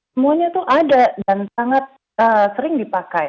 semuanya itu ada dan sangat sering dipakai